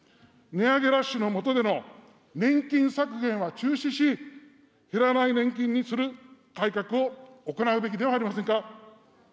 値上げラッシュの下での年金削減は中止し、減らない年金にする改革を行うべきではありませんか。